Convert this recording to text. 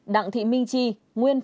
hai đặng thị minh chi nguyên phạm